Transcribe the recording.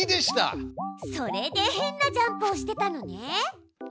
それで変なジャンプをしてたのね。